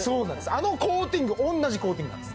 あのコーティング同じコーティングなんです